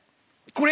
これ。